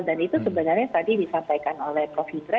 dan itu sebenarnya tadi disampaikan oleh prof zubaira